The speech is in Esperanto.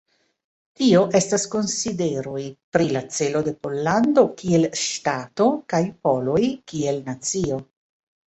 Tio estas konsideroj pri la celo de Pollando kiel ŝtato kaj poloj kiel nacio.